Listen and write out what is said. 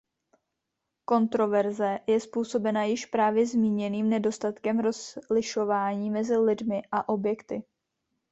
Kontroverze je způsobena již právě zmíněným nedostatkem rozlišování mezi lidmi a objekty.